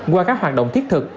qua các hoạt động thiết thực